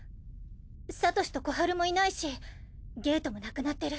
サトシとコハルもいないしゲートもなくなってる。